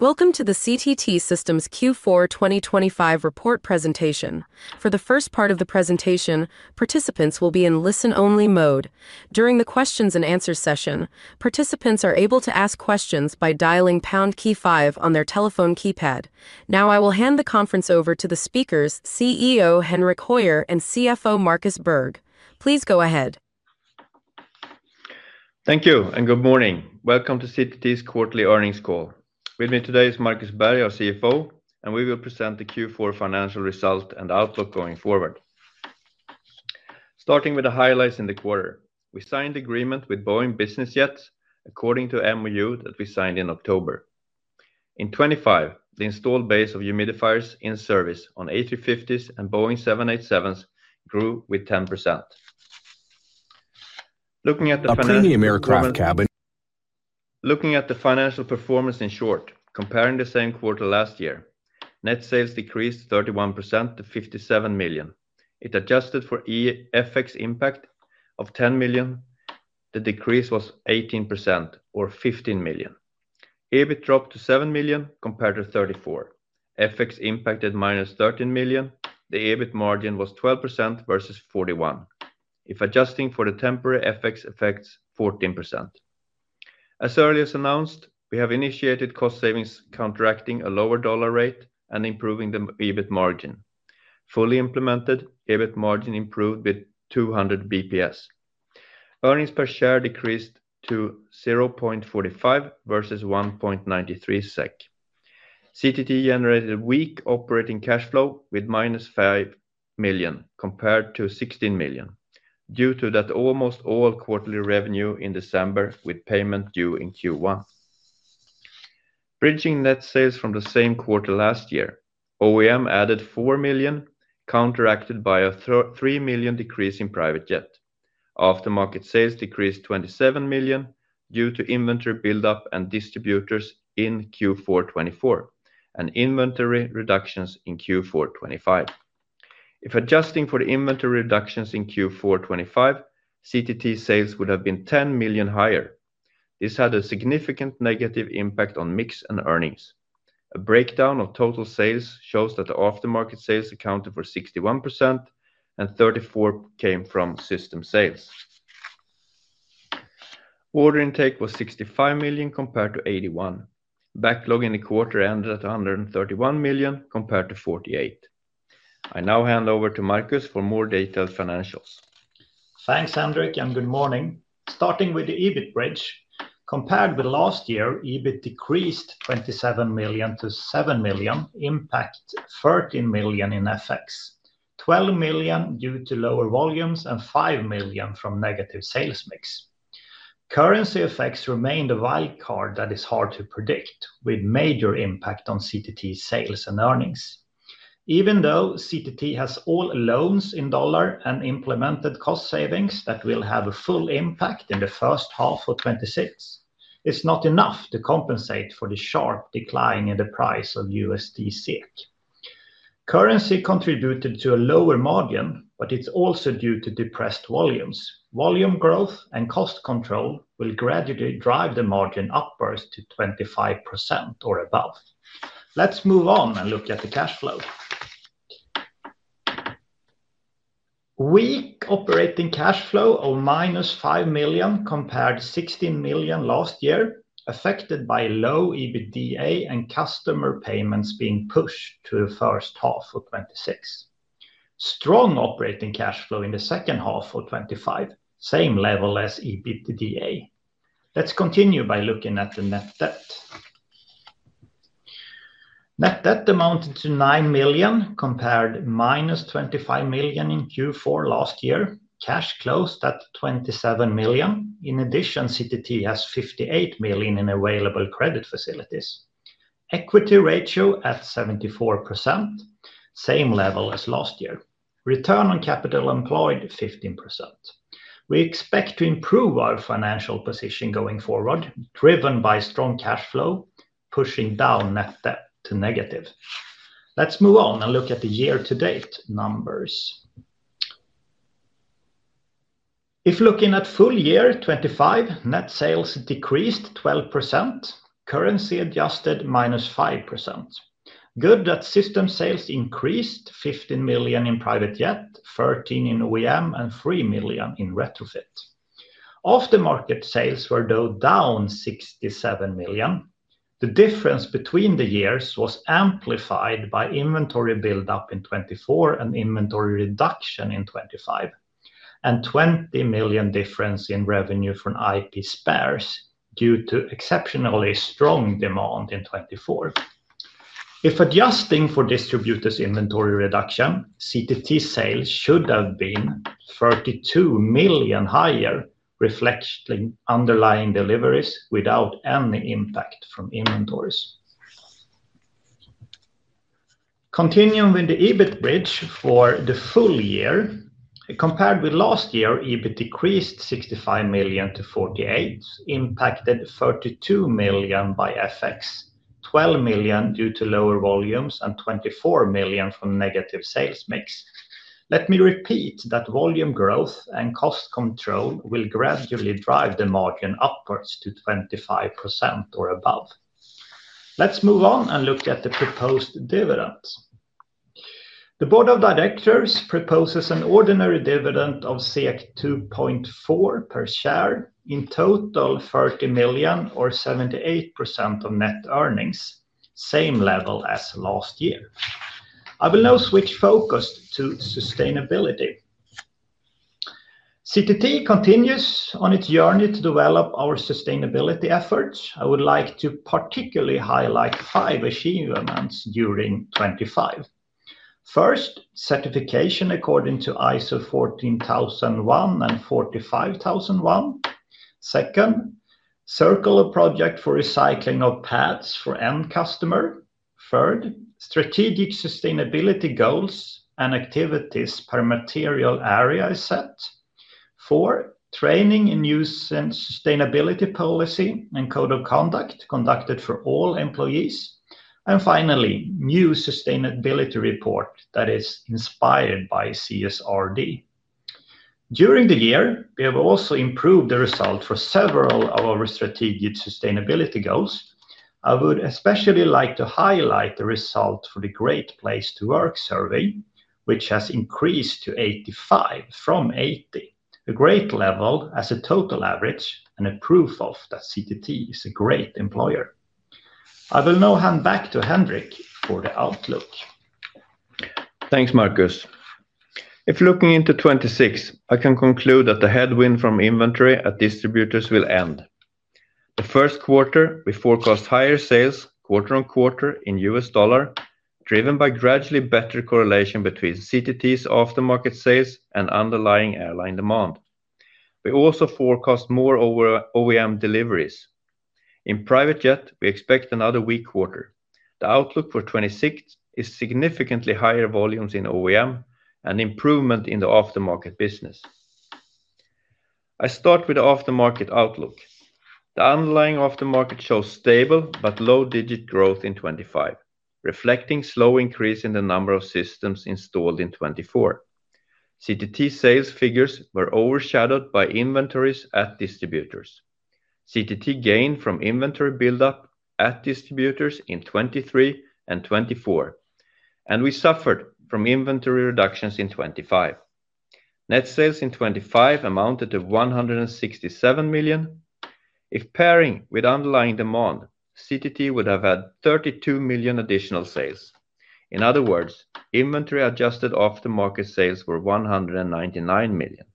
Welcome to the CTT Systems Q4 2025 report presentation. For the first part of the presentation, participants will be in listen-only mode. During the questions and answer session, participants are able to ask questions by dialing pound key five on their telephone keypad. Now, I will hand the conference over to the speakers, CEO Henrik Höjer and CFO Markus Berg. Please go ahead. Thank you, and good morning. Welcome to CTT's quarterly earnings call. With me today is Markus Berg, our CFO, and we will present the Q4 financial result and outlook going forward. Starting with the highlights in the quarter. We signed agreement with Boeing Business Jets according to MoU that we signed in October. In 2025, the installed base of humidifiers in service on A350s and Boeing 787s grew with 10%. Looking at the financial performance, in short, comparing the same quarter last year, net sales decreased 31% to 57 million. It adjusted for FX impact of 10 million, the decrease was 18% or 15 million. EBIT dropped to 7 million compared to 34 million. FX impacted -13 million. The EBIT margin was 12% versus 41%. If adjusting for the temporary FX effects, 14%. As early as announced, we have initiated cost savings, counteracting a lower dollar rate, and improving the EBIT margin. Fully implemented, EBIT margin improved with 200 BPS. Earnings per share decreased to 0.45 versus 1.93 SEK. CTT generated weak operating cash flow with -5 million, compared to 16 million, due to that almost all quarterly revenue in December with payment due in Q1. Bridging net sales from the same quarter last year, OEM added 4 million, counteracted by a three million decrease in private jet. Aftermarket sales decreased 27 million due to inventory buildup and distributors in Q4 2024, and inventory reductions in Q4 2025. If adjusting for the inventory reductions in Q4 2025, CTT sales would have been 10 million higher. This had a significant negative impact on mix and earnings. A breakdown of total sales shows that the aftermarket sales accounted for 61%, and 34 came from system sales. Order intake was 65 million compared to 81 million. Backlog in the quarter ended at 131 million, compared to 48 million. I now hand over to Markus for more detailed financials. Thanks, Henrik, and good morning. Starting with the EBIT bridge. Compared with last year, EBIT decreased 27 million-7 million, impact 13 million in FX, 12 million due to lower volumes, and 5 million from negative sales mix. Currency effects remained a wild card that is hard to predict, with major impact on CTT sales and earnings. Even though CTT has all loans in dollar and implemented cost savings that will have a full impact in the first half of 2026, it's not enough to compensate for the sharp decline in the price of USD/SEK. Currency contributed to a lower margin, but it's also due to depressed volumes. Volume growth and cost control will gradually drive the margin upwards to 25% or above. Let's move on and look at the cash flow. Weak operating cash flow of -5 million compared to 16 million last year, affected by low EBITDA and customer payments being pushed to the first half of 2026. Strong operating cash flow in the second half of 2025, same level as EBITDA. Let's continue by looking at the net debt. Net debt amounted to 9 million, compared minus 25 million in Q4 last year. Cash closed at 27 million. In addition, CTT has 58 million in available credit facilities. Equity ratio at 74%, same level as last year. Return on capital employed, 15%. We expect to improve our financial position going forward, driven by strong cash flow, pushing down net debt to negative. Let's move on and look at the year-to-date numbers. If looking at full year 2025, net sales decreased 12%, currency adjusted -5%. Good that system sales increased 15 million in private jet, 13 million in OEM, and 3 million in retrofit. Aftermarket sales were, though, down 67 million. The difference between the years was amplified by inventory buildup in 2024 and inventory reduction in 2025, and 20 million difference in revenue from IP spares due to exceptionally strong demand in 2024. If adjusting for distributors inventory reduction, CTT sales should have been 32 million higher, reflecting underlying deliveries without any impact from inventories. Continuing with the EBIT bridge for the full year. Compared with last year, EBIT decreased 65 million-48 million, impacted 32 million by FX, 12 million due to lower volumes, and 24 million from negative sales mix. Let me repeat that volume growth and cost control will gradually drive the margin upwards to 25% or above. Let's move on and look at the proposed dividends. The board of directors proposes an ordinary dividend of 2.4 per share. In total, 30 million or 78% of net earnings, same level as last year. I will now switch focus to sustainability. CTT continues on its journey to develop our sustainability efforts. I would like to particularly highlight five achievements during 2025. First, certification according to ISO 14001 and ISO 45001. Second, circular project for recycling of pads for end customer. Third, strategic sustainability goals and activities per material area is set. Four, training in use and sustainability policy and code of conduct conducted for all employees. And finally, new sustainability report that is inspired by CSRD. During the year, we have also improved the result for several of our strategic sustainability goals. I would especially like to highlight the result for the Great Place to Work survey, which has increased to 85 from 80. A great level as a total average, and a proof of that CTT is a great employer. I will now hand back to Henrik for the outlook. Thanks, Markus. If looking into 2026, I can conclude that the headwind from inventory at distributors will end. The first quarter, we forecast higher sales quarter on quarter in US dollar, driven by gradually better correlation between CTT's aftermarket sales and underlying airline demand. We also forecast more over OEM deliveries. In Private Jet, we expect another weak quarter. The outlook for 2026 is significantly higher volumes in OEM and improvement in the aftermarket business. I start with the aftermarket outlook. The underlying aftermarket shows stable but low-digit growth in 2025, reflecting slow increase in the number of systems installed in 2024. CTT sales figures were overshadowed by inventories at distributors. CTT gained from inventory buildup at distributors in 2023 and 2024, and we suffered from inventory reductions in 2025. Net sales in 2025 amounted to 167 million. If pairing with underlying demand, CTT would have had 32 million additional sales. In other words, inventory-adjusted aftermarket sales were 199 million.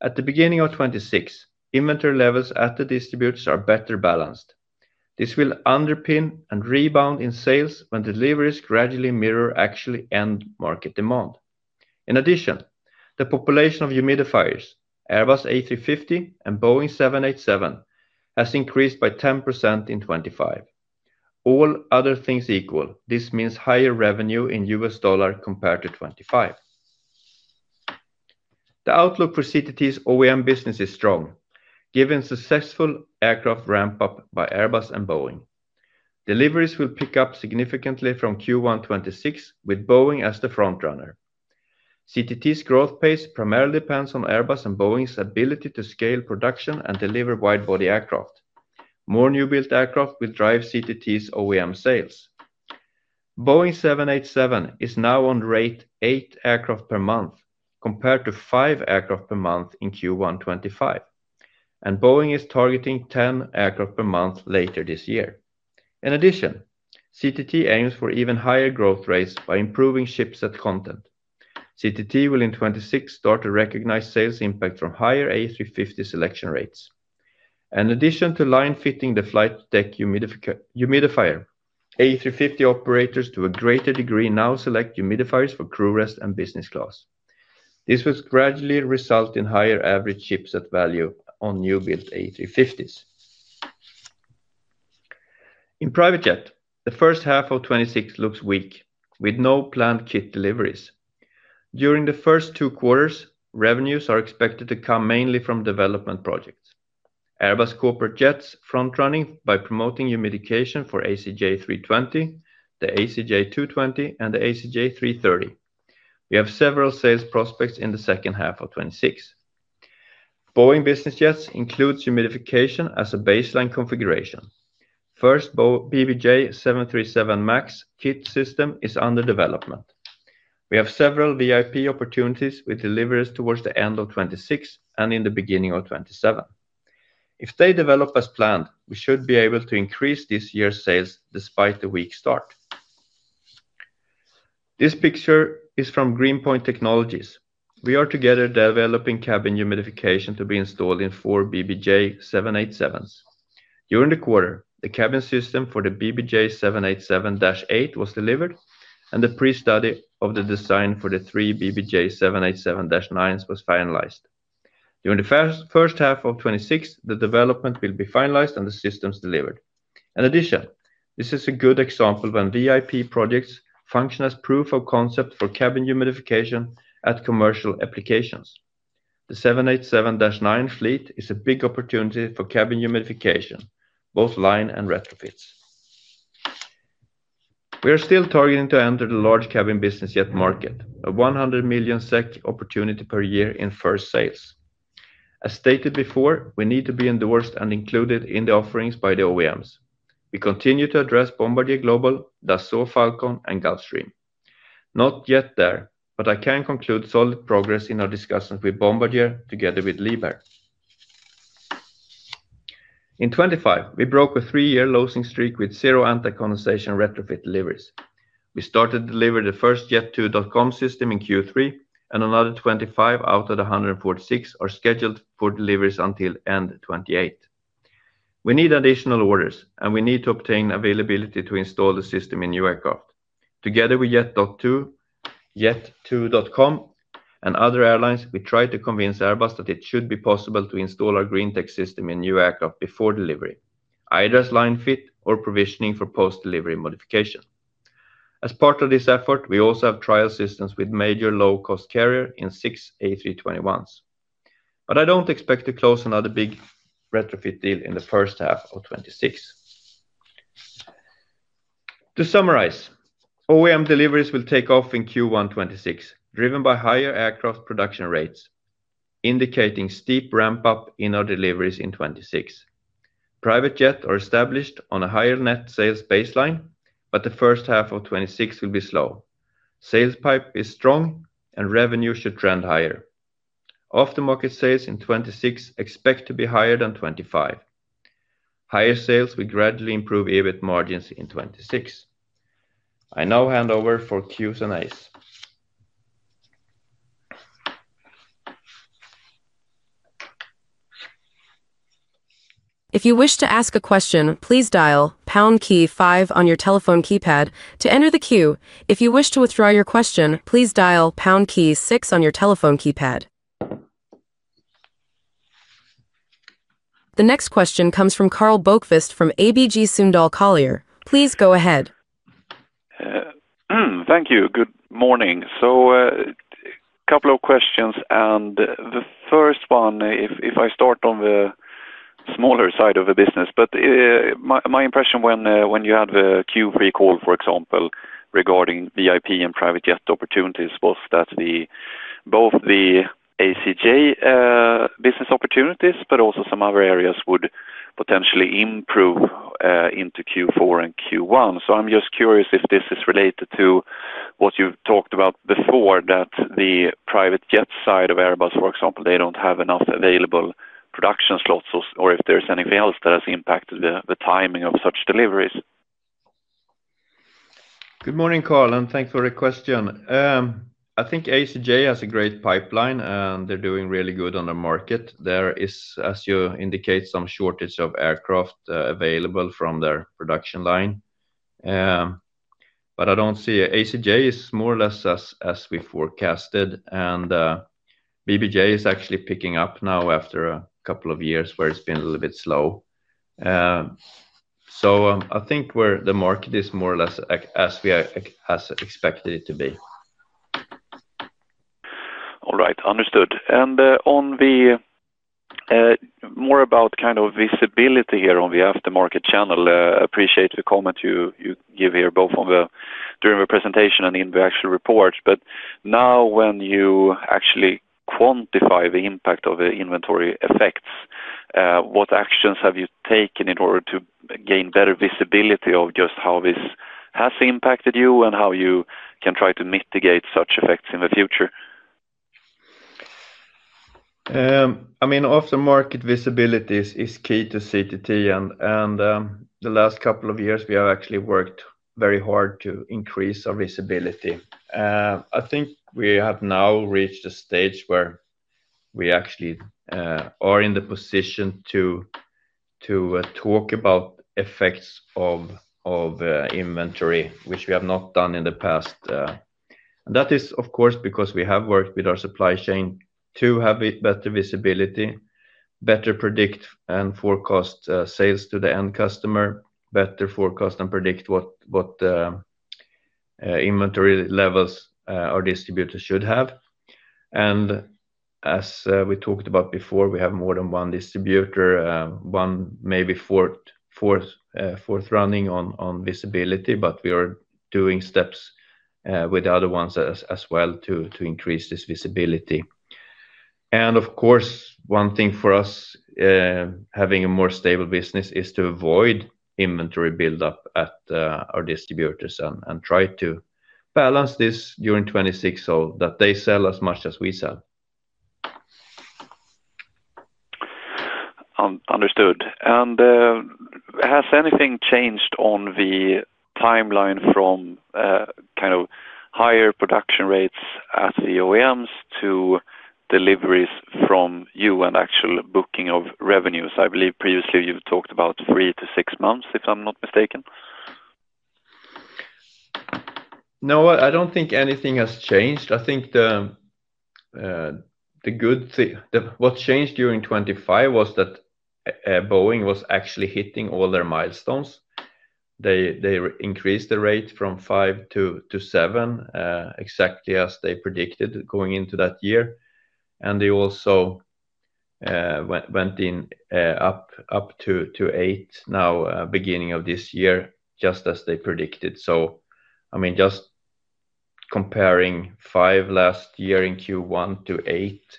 At the beginning of 2026, inventory levels at the distributors are better balanced. This will underpin and rebound in sales when deliveries gradually mirror actually end market demand. In addition, the population of humidifiers, Airbus A350 and Boeing 787, has increased by 10% in 2025. All other things equal, this means higher revenue in U.S. dollar compared to 2025. The outlook for CTT's OEM business is strong, given successful aircraft ramp up by Airbus and Boeing. Deliveries will pick up significantly from Q1 2026, with Boeing as the front runner. CTT's growth pace primarily depends on Airbus and Boeing's ability to scale production and deliver wide-body aircraft. More new-built aircraft will drive CTT's OEM sales. Boeing 787 is now on rate 8 aircraft per month, compared to 5 aircraft per month in Q1 2025, and Boeing is targeting 10 aircraft per month later this year. In addition, CTT aims for even higher growth rates by improving shipset content. CTT will, in 2026, start to recognize sales impact from higher A350 selection rates. In addition to line-fitting the flight deck humidifier, A350 operators, to a greater degree, now select humidifiers for crew rest and business class. This will gradually result in higher average shipset value on new-built A350s. In Private Jet, the first half of 2026 looks weak, with no planned kit deliveries. During the first two quarters, revenues are expected to come mainly from development projects. Airbus Corporate Jets front-running by promoting humidification for ACJ320, the ACJ TwoTwenty, and the ACJ330. We have several sales prospects in the second half of 2026. Boeing Business Jets includes humidification as a baseline configuration. First, BBJ 737 MAX kit system is under development. We have several VIP opportunities with deliveries towards the end of 2026 and in the beginning of 2027. If they develop as planned, we should be able to increase this year's sales despite the weak start. This picture is from Greenpoint Technologies. We are together developing cabin humidification to be installed in four BBJ 787s. During the quarter, the cabin system for the BBJ 787-8 was delivered, and the pre-study of the design for the three BBJ 787-9s was finalized. During the first half of 2026, the development will be finalized and the systems delivered. In addition, this is a good example when VIP projects function as proof of concept for cabin humidification at commercial applications. The 787-9 fleet is a big opportunity for cabin humidification, both line-fit and retrofits. We are still targeting to enter the large cabin business jet market, a 100 million SEK opportunity per year in first sales. As stated before, we need to be endorsed and included in the offerings by the OEMs. We continue to address Bombardier Global, Dassault Falcon, and Gulfstream. Not yet there, but I can conclude solid progress in our discussions with Bombardier together with Liebherr. In 2025, we broke a three-year losing streak with zero anti-condensation retrofit deliveries. We started to deliver the first Jet2.com system in Q3, and another 25 out of the 146 are scheduled for deliveries until end 2028. We need additional orders, and we need to obtain availability to install the system in new aircraft. Together with Jet2.com and other airlines, we try to convince Airbus that it should be possible to install our green tech system in new aircraft before delivery, either as line fit or provisioning for post-delivery modification. As part of this effort, we also have trial systems with major low-cost carrier in six A321s. But I don't expect to close another big retrofit deal in the first half of 2026. To summarize, OEM deliveries will take off in Q1 2026, driven by higher aircraft production rates, indicating steep ramp-up in our deliveries in 2026. Private jet are established on a higher net sales baseline, but the first half of 2026 will be slow. Sales pipe is strong, and revenue should trend higher. Aftermarket sales in 2026 expect to be higher than 2025. Higher sales will gradually improve EBIT margins in 2026. I now hand over for Qs and As. If you wish to ask a question, please dial pound key five on your telephone keypad to enter the queue. If you wish to withdraw your question, please dial pound key six on your telephone keypad. The next question comes from Karl Bokvist from ABG Sundal Collier. Please go ahead. Thank you. Good morning. So, couple of questions, and the first one, if I start on the smaller side of the business, but, my impression when you had the Q3 call, for example, regarding VIP and private jet opportunities, was that both the ACJ business opportunities, but also some other areas would potentially improve into Q4 and Q1. So I'm just curious if this is related to what you've talked about before, that the private jet side of Airbus, for example, they don't have enough available production slots or if there's anything else that has impacted the timing of such deliveries. Good morning, Karl, and thanks for the question. I think ACJ has a great pipeline, and they're doing really good on the market. There is, as you indicate, some shortage of aircraft, available from their production line. But I don't see ACJ is more or less as, as we forecasted, and, BBJ is actually picking up now after a couple of years where it's been a little bit slow. So, I think where the market is more or less as we are, as expected it to be. All right. Understood. And more about kind of visibility here on the aftermarket channel, appreciate the comment you give here, both during the presentation and in the actual report. But now when you actually quantify the impact of the inventory effects, what actions have you taken in order to gain better visibility of just how this has impacted you and how you can try to mitigate such effects in the future? I mean, aftermarket visibility is key to CTT, and the last couple of years, we have actually worked very hard to increase our visibility. I think we have now reached a stage where we actually are in the position to talk about effects of inventory, which we have not done in the past. That is, of course, because we have worked with our supply chain to have better visibility, better predict and forecast sales to the end customer, better forecast and predict what inventory levels our distributors should have. As we talked about before, we have more than one distributor, one maybe a fourth running on visibility, but we are doing steps with the other ones as well to increase this visibility. Of course, one thing for us, having a more stable business, is to avoid inventory buildup at our distributors and try to balance this during 2026, so that they sell as much as we sell. Understood. Has anything changed on the timeline from kind of higher production rates at the OEMs to deliveries from you and actual booking of revenues? I believe previously you talked about 3-6 months, if I'm not mistaken. No, I don't think anything has changed. I think the good thing, what changed during 2025 was that, Boeing was actually hitting all their milestones. They increased the rate from 5 to 7, exactly as they predicted going into that year. And they also went up to 8 now, beginning of this year, just as they predicted. So, I mean, comparing 5 last year in Q1 to 8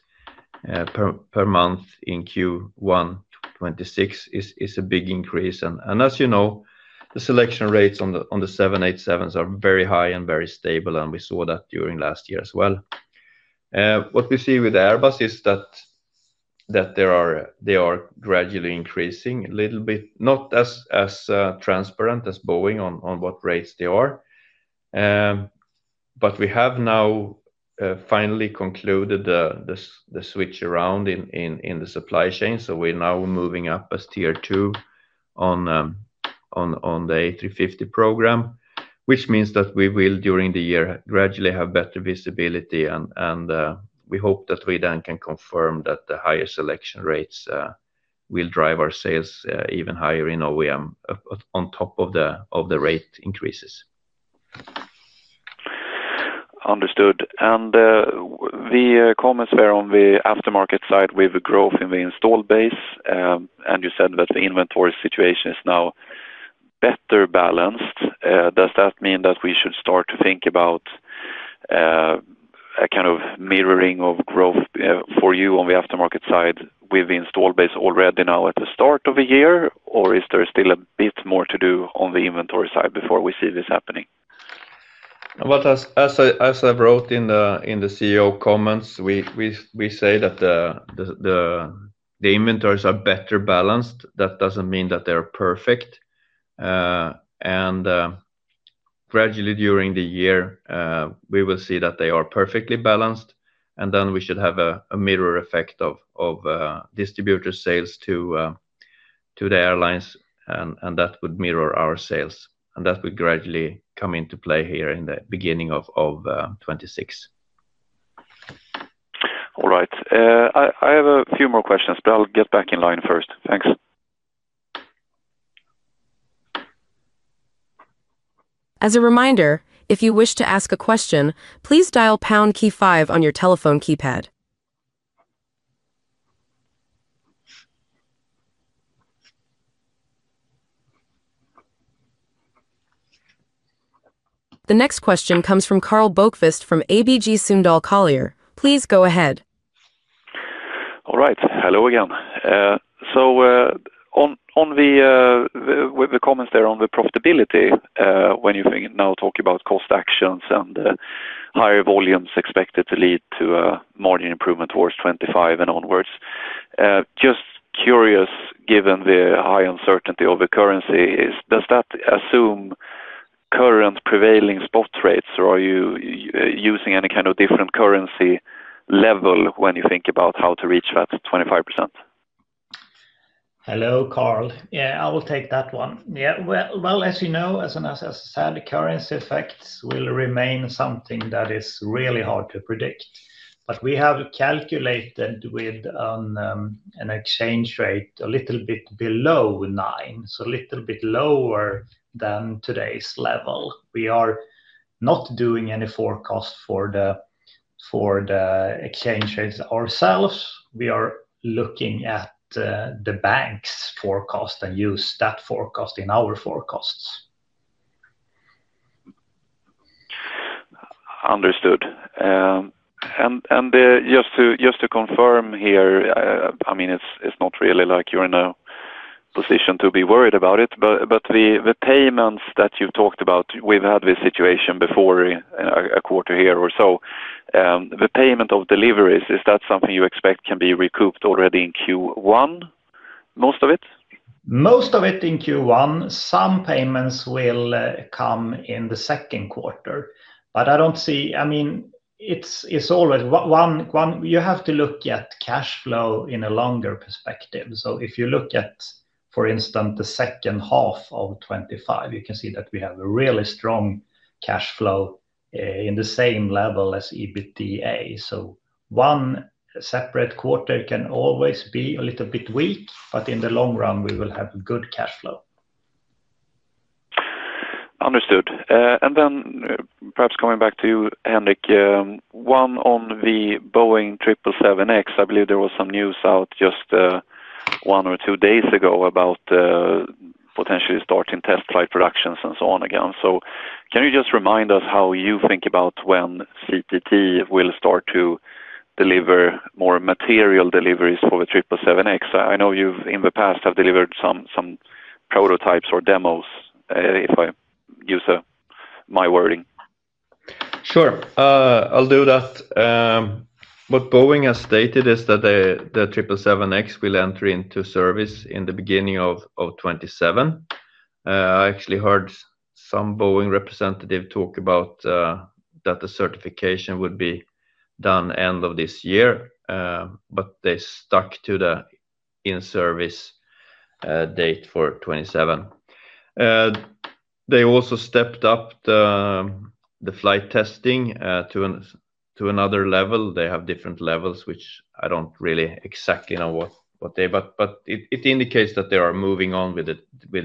per month in Q1 2026 is a big increase. And as you know, the selection rates on the 787s are very high and very stable, and we saw that during last year as well. What we see with Airbus is that there are—they are gradually increasing a little bit, not as transparent as Boeing on what rates they are. But we have now finally concluded the switch around in the supply chain. So we're now moving up as tier two on the A350 program, which means that we will, during the year, gradually have better visibility and we hope that we then can confirm that the higher selection rates will drive our sales even higher in OEM on top of the rate increases. Understood. And, with the comments there on the aftermarket side, with the growth in the installed base, and you said that the inventory situation is now better balanced. Does that mean that we should start to think about a kind of mirroring of growth for you on the aftermarket side with the install base already now at the start of the year? Or is there still a bit more to do on the inventory side before we see this happening? Well, as I wrote in the CEO comments, we say that the inventories are better balanced. That doesn't mean that they're perfect. And gradually during the year, we will see that they are perfectly balanced, and then we should have a mirror effect of distributor sales to the airlines, and that would mirror our sales, and that would gradually come into play here in the beginning of 2026. All right. I have a few more questions, but I'll get back in line first. Thanks. As a reminder, if you wish to ask a question, please dial pound key five on your telephone keypad. The next question comes from Karl Bokvist from ABG Sundal Collier. Please go ahead. All right. Hello again. So, on the with the comments there on the profitability, when you think now talk about cost actions and higher volumes expected to lead to margin improvement towards 25 and onwards, just curious, given the high uncertainty of the currency, does that assume current prevailing spot rates, or are you using any kind of different currency level when you think about how to reach that 25%? Hello, Karl. Yeah, I will take that one. Yeah, well, as you know, as said, currency effects will remain something that is really hard to predict. But we have calculated with an exchange rate a little bit below nine, so a little bit lower than today's level. We are not doing any forecast for the exchange rates ourselves. We are looking at the bank's forecast and use that forecast in our forecasts. Understood. And just to confirm here, I mean, it's not really like you're in a position to be worried about it, but the payments that you talked about, we've had this situation before in a quarter here or so. The payment of deliveries, is that something you expect can be recouped already in Q1, most of it? Most of it in Q1, some payments will come in the second quarter. But I don't see, I mean, it's, it's always one, one, you have to look at cash flow in a longer perspective. So if you look at, for instance, the second half of 2025, you can see that we have a really strong cash flow in the same level as EBITDA. So one separate quarter can always be a little bit weak, but in the long run, we will have good cash flow. Understood. Then perhaps coming back to you, Henrik, one on the Boeing 777X. I believe there was some news out just one or two days ago about potentially starting test flight productions and so on again. So can you just remind us how you think about when CTT will start to deliver more material deliveries for the 777X? I know you've, in the past, have delivered some prototypes or demos, if I use my wording. Sure, I'll do that. What Boeing has stated is that the 777X will enter into service in the beginning of 2027. I actually heard some Boeing representative talk about that the certification would be done end of this year, but they stuck to the in-service date for 2027. They also stepped up the flight testing to another level. They have different levels, which I don't really exactly know what they... But it indicates that they are moving on with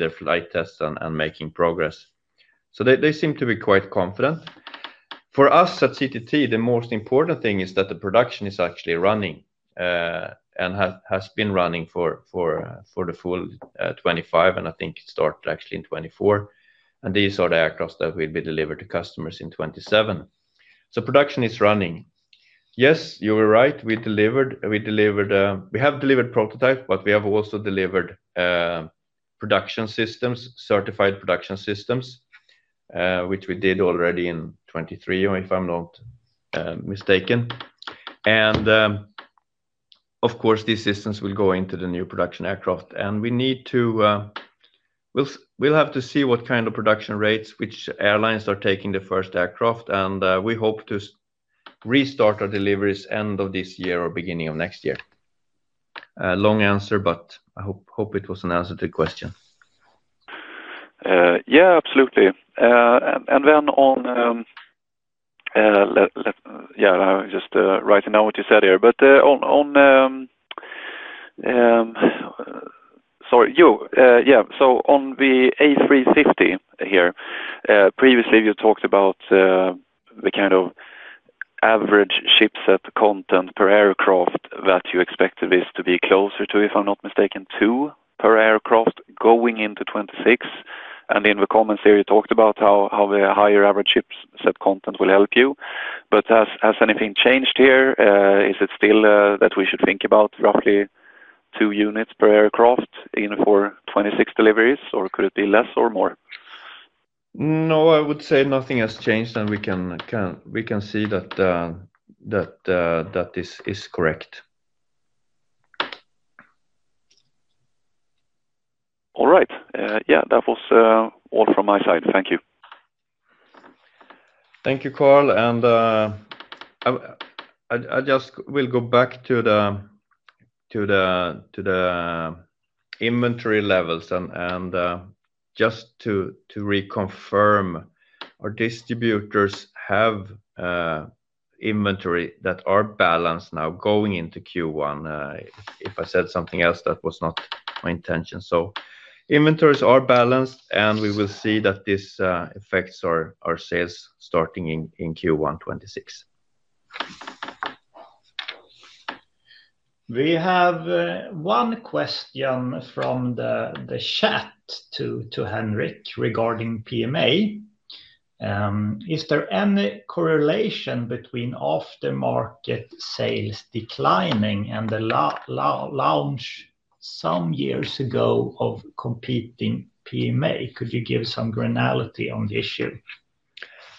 their flight tests and making progress. So they seem to be quite confident. For us at CTT, the most important thing is that the production is actually running and has been running for the full 2025, and I think it started actually in 2024. These are the aircraft that will be delivered to customers in 2027. So production is running. Yes, you were right. We delivered, we delivered, we have delivered prototype, but we have also delivered, production systems, certified production systems, which we did already in 2023, if I'm not mistaken. And, of course, these systems will go into the new production aircraft, and we need to... We'll, we'll have to see what kind of production rates, which airlines are taking the first aircraft, and, we hope to restart our deliveries end of this year or beginning of next year. Long answer, but I hope, hope it was an answer to the question. Yeah, absolutely. And then on, yeah, I'm just writing down what you said here. But on the A350 here, previously you talked about the kind of average shipset content per aircraft that you expected this to be closer to, if I'm not mistaken, 2 per aircraft going into 2026. And in the comments there, you talked about how the higher average shipset content will help you. But has anything changed here? Is it still that we should think about roughly 2 units per aircraft in for 2026 deliveries, or could it be less or more? No, I would say nothing has changed, and we can see that that is correct. All right. Yeah, that was all from my side. Thank you. Thank you, Karl, and I just will go back to the inventory levels and just to reconfirm, our distributors have inventory that are balanced now going into Q1. If I said something else, that was not my intention. So inventories are balanced, and we will see that this affects our sales starting in Q1 2026. We have one question from the chat to Henrik regarding PMA. Is there any correlation between off-the-market sales declining and the launch some years ago of competing PMA? Could you give some granularity on the issue?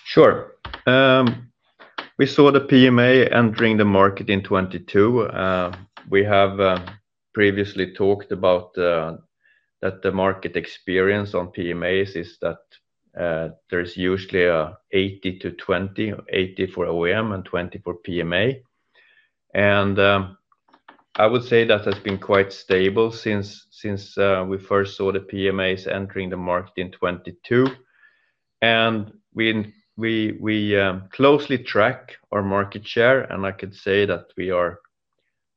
Sure. We saw the PMA entering the market in 2022. We have previously talked about that the market experience on PMAs is that there's usually a 80-20, 80 for OEM and 20 for PMA. And I would say that has been quite stable since we first saw the PMAs entering the market in 2022. We closely track our market share, and I could say that we are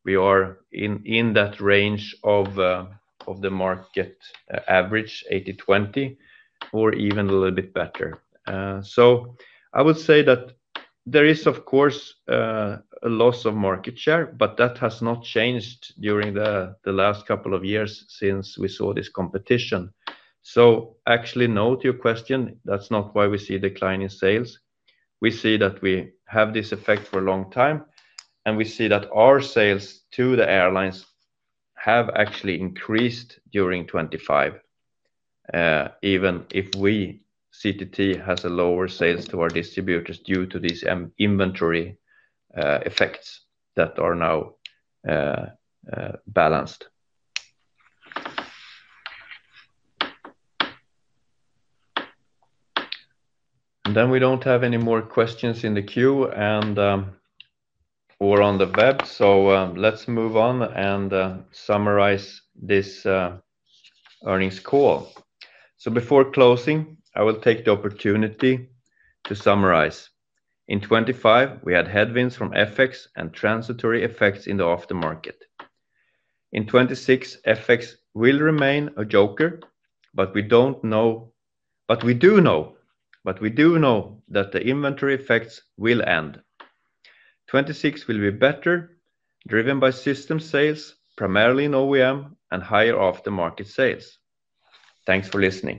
in that range of the market average, 80-20, or even a little bit better. So I would say that there is, of course, a loss of market share, but that has not changed during the last couple of years since we saw this competition. So actually, no, to your question, that's not why we see a decline in sales. We see that we have this effect for a long time, and we see that our sales to the airlines have actually increased during 2025. Even if we, CTT, has a lower sales to our distributors due to this aftermarket inventory effects that are now balanced. And then we don't have any more questions in the queue, and, or on the web. So, let's move on and summarize this earnings call. So before closing, I will take the opportunity to summarize. In 2025, we had headwinds from FX and transitory effects in the aftermarket. In 2026, FX will remain a joker, but we don't know... But we do know, but we do know that the inventory effects will end. 2026 will be better, driven by system sales, primarily in OEM and higher aftermarket sales. Thanks for listening.